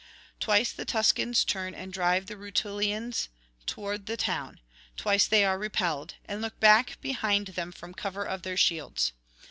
Twice the Tuscans turn and drive the Rutulians towards the town; twice they are repelled, and look back behind them from cover of their shields.